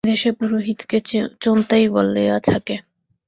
এ দেশে পুরোহিতকে চোন্তাই বলিয়া থাকে।